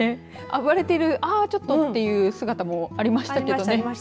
暴れているああ、ちょっとという姿もありましたけどね。